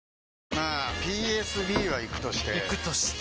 まあＰＳＢはイクとしてイクとして？